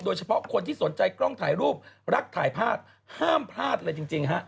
โดยเฉพาะคนที่สนใจกล้องถ่ายรูปรักถ่ายภาพห้ามพลาดเลยจริงฮะ